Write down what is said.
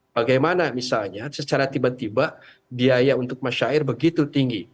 bagaimana misalnya secara tiba tiba biaya untuk masyair begitu tinggi